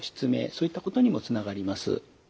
そういったことにもつながります。